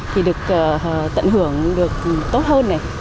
thì được tận hưởng tốt hơn